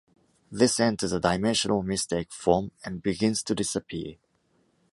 This enters a dimensional mistake form and begins to disappear.